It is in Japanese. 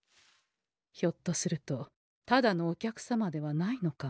ひょっとするとただのお客様ではないのかも。